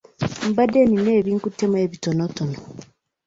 Mbadde nina ebinkuttemu ebitonotono.